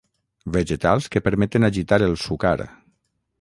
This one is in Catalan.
Vegetals que permeten agitar el sucar.